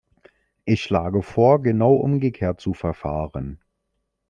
Ich schlage vor, genau umgekehrt zu verfahren.